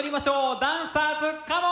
ダンサーズカモン！